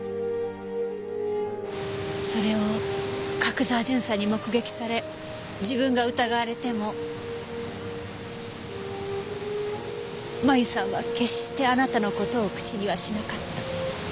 それを角沢巡査に目撃され自分が疑われても麻由さんは決してあなたの事を口にはしなかった。